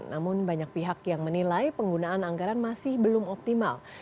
namun banyak pihak yang menilai penggunaan anggaran masih belum optimal